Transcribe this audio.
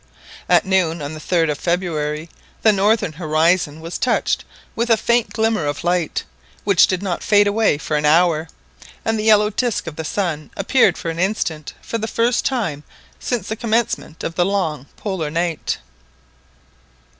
At noon on the 3rd of February, the northern horizon was touched with a faint glimmer of light which did not fade away for an hour, and the yellow disc of the sun appeared for an instant for the first time since the commencement of the long Polar night.